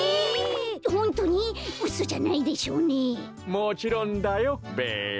もちろんだよべや。